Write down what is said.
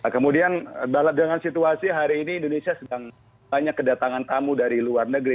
kemudian dengan situasi hari ini indonesia sedang banyak kedatangan tamu dari luar negeri